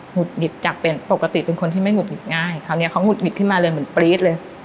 ุดหงิดจากเป็นปกติเป็นคนที่ไม่หุดหงิดง่ายคราวนี้เขาหุดหงิดขึ้นมาเลยเหมือนปรี๊ดเลย